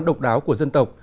độc đáo của dân tộc